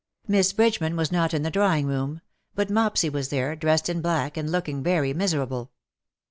Miss Bridgeman was not in the drawing room ; but Mopsy was there, dressed in black, and looking very miserable.